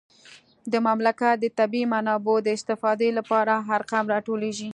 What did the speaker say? د مملکت د طبیعي منابعو د استفادې لپاره ارقام راټولیږي